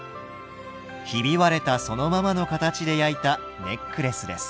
ひび割れたそのままの形で焼いたネックレスです。